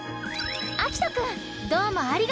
あきとくんどうもありがとう！